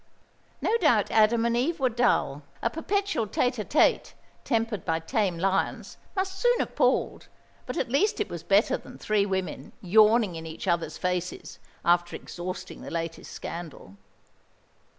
"No doubt Adam and Eve were dull a perpetual tête à tête, tempered by tame lions, must soon have palled; but at least it was better than three women, yawning in each other's faces, after exhausting the latest scandal."